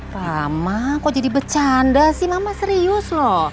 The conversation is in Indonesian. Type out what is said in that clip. mama kok jadi bercanda sih mama serius loh